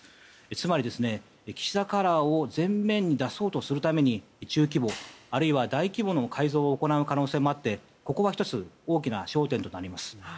つまり、岸田カラーを前面に出そうとするために中規模あるいは大規模の改造を行う可能性もあってここは１つ大きな焦点となります。